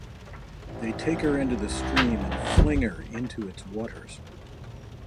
They take her into a stream and fling her into its waters.